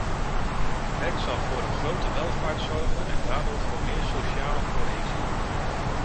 Werk zal voor een grotere welvaart zorgen en daardoor voor meer sociale cohesie.